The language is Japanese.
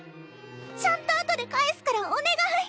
ちゃんと後で返すからお願い